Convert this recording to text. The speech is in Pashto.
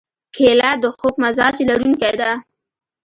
کېله د خوږ مزاج لرونکې ده.